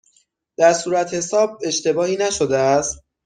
در صورتحساب اشتباهی نشده است؟